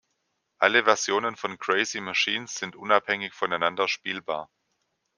Alle Versionen von Crazy Machines sind unabhängig voneinander spielbar.